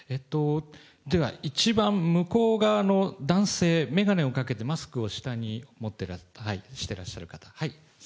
では一番向こう側の男性、眼鏡をかけてマスクを下に持って、してらっしゃる方。